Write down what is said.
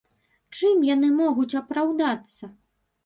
Чым яны могуць апраўдацца?